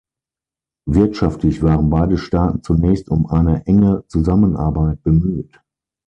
Wirtschaftlich waren beide Staaten zunächst um eine enge Zusammenarbeit bemüht.